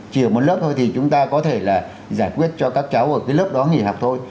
chỉ ở một lớp thôi thì chúng ta có thể là giải quyết cho các cháu ở cái lớp đó nghỉ học thôi